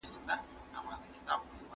ملا یوازې له خپل ځان سره پاتې شو.